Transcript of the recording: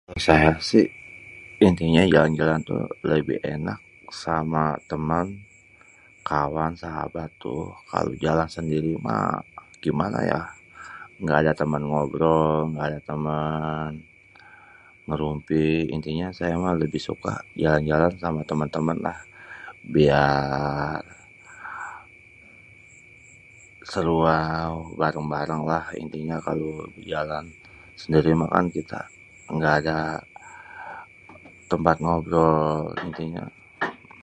Saya sih intinya jalan-jalan tuh lebih enak sama temen, kawan, sahabat tu. Kalo jalan sendiri mah gimana yah, ngga ada temen ngobrol. Ngga ada temen ngerumpi. Intinya saya mah lebih suka jalan-jalan sama temen-temen lah. Biar seru lah bareng-bareng intinya kalo jalan-jalan. Kalo sendiri mah kita ngga ada tempat ngobrol intinya.